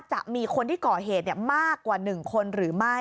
จะมีคนที่ก่อเหตุมากกว่า๑คนหรือไม่